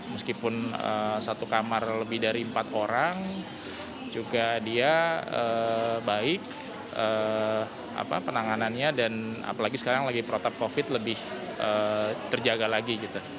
meskipun satu kamar lebih dari empat orang juga dia baik penanganannya dan apalagi sekarang lagi protap covid lebih terjaga lagi